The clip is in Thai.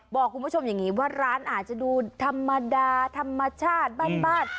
บอกคุณผู้ชมอย่างนี้ว่าร้านอาจจะดูธรรมดาธรรมชาติบ้าน